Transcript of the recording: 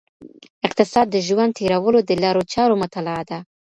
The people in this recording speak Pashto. اقتصاد د ژوند تیرولو د لارو چارو مطالعه ده.